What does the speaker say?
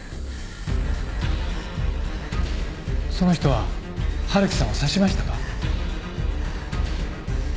その人は春樹さんを刺しましたか？